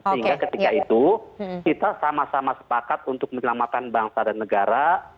sehingga ketika itu kita sama sama sepakat untuk menyelamatkan bangsa dan negara